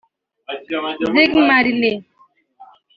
‘Ziggy Marley’